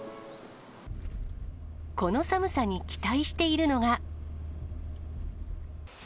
この寒さに期待しているのが。